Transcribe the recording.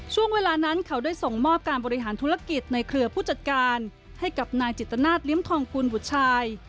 ช่วงเวลานั้นเขาได้ส่งมอบการบริหารธุรกิจในเครือผู้จัดการให้กับนายจิตนาศลิ้มทองกุลบุตรชาย